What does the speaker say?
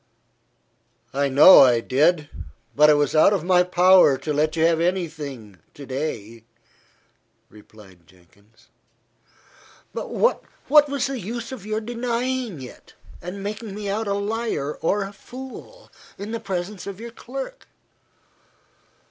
"I know I did. But it was out of my power to let you have any thing to day," replied Jenkins. "But what was the use of your denying it, and making me out a liar or a fool, in the presence of your clerk?"